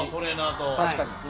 確かに。